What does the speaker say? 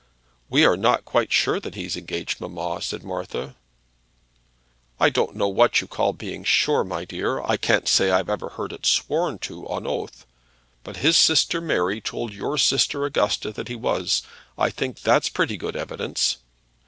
"We are not quite sure that he's engaged, mamma," said Martha. "I don't know what you call being sure, my dear. I can't say I've ever heard it sworn to, on oath. But his sister Mary told your sister Augusta that he was. I think that's pretty good evidence.